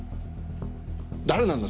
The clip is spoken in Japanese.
誰なんだ